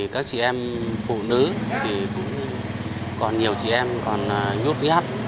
các chị em phụ nữ còn nhiều chị em còn nhút viết